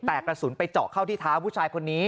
แต่กระสุนไปเจาะเข้าที่เท้าผู้ชายคนนี้